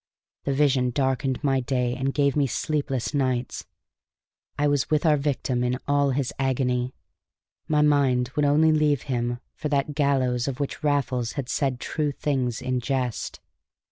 The vision darkened my day and gave me sleepless nights. I was with our victim in all his agony; my mind would only leave him for that gallows of which Raffles had said true things in jest.